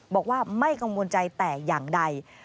บอกว่าไม่กังวลใจแต่อย่างใด